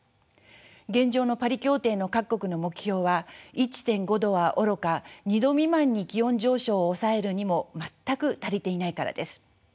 現状のパリ協定の各国の目標は１．５度はおろか２度未満に気温上昇を抑えるにも全く足りていないからです。